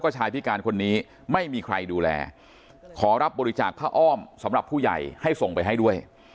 ชายพิการคนนี้ไม่มีใครดูแลขอรับบริจาคผ้าอ้อมสำหรับผู้ใหญ่ให้ส่งไปให้ด้วย